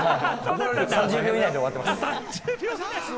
３０秒以内で終わってます。